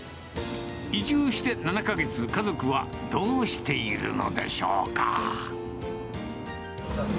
移住して７か月、家族はどうしているのでしょうか。